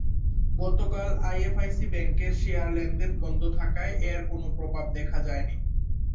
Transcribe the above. গতকাল আইএফআইসি ব্যাংকের শেয়ার লেনদেন বন্ধ থাকায় এর কোনো প্রভাব দেখা যায়নি।